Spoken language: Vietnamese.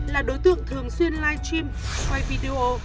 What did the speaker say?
là đối tượng thường xuyên live stream quay video